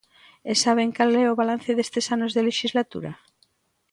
¿E saben cal é o balance destes anos de lexislatura?